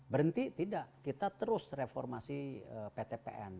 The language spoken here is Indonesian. berhenti tidak kita terus reformasi ptpn